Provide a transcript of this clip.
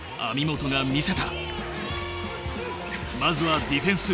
まずはディフェンス！